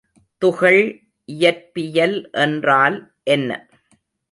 துகள் இயற்பியல் என்றால் என்ன?